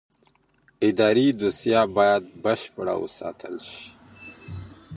اداري دوسیه باید بشپړه وساتل شي.